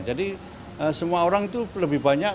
jadi semua orang itu lebih banyak